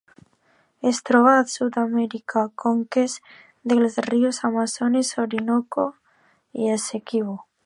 Es troba a Sud-amèrica: conques dels rius Amazones, Orinoco i Essequibo.